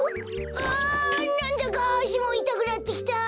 あなんだかあしもいたくなってきた！